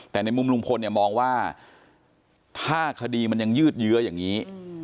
แต่ในมุมลุงพลเนี่ยมองว่าถ้าคดีมันยังยืดเยื้ออย่างนี้